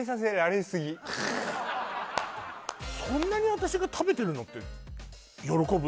そんなに私が食べてるのって喜ぶ？